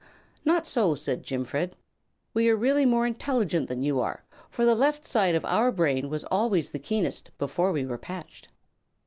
"Not so," said Jimfred; "we are really more intelligent than you are, for the left side of our brain was always the keenest before we were patched."